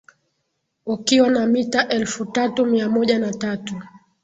ukiwa na mita elfu tatu mia moja na tatu